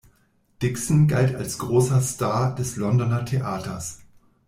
Dickson galt als großer Star des Londoner Theaters.